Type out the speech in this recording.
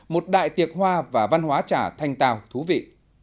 một đại tiệc hoa và văn hóa trà thanh tào thú vị